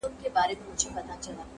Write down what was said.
خبره له خبري پيدا کېږي.